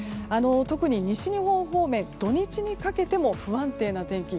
特に西日本方面土日にかけても不安定な天気。